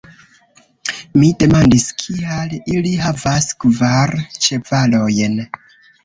Mi demandis, kial ili havas kvar ĉevalojn.